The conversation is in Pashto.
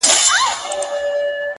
سړیتوب کي بس دولت ورته مِعیار دی,